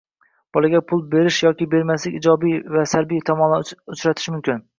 Bolaga pul berish yoki bermaslikning ijobiy va salbiy tomonlarini uchratish mumkin.